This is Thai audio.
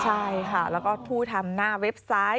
ใช่ค่ะแล้วก็ผู้ทำหน้าเว็บไซต์